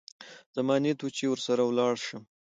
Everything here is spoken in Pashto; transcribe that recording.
زما نيت و چې ورسره ولاړ سم.